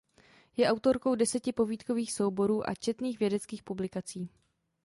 Je autorkou deseti povídkových souborů a četných vědeckých publikací.